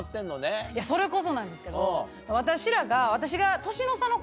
それこそなんですけど私らが私が。